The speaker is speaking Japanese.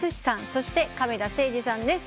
そして亀田誠治さんです。